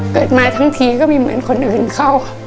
เกิดมาทั้งทีก็มีเหมือนคนอื่นเข้า